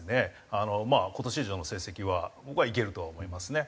今年以上の成績は僕はいけるとは思いますね。